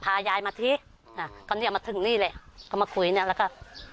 พายายมาที่อืมอ่าก็เนี่ยมาถึงนี่เลยก็มาคุยเนี่ยแล้วก็